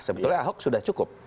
sebetulnya ahok sudah cukup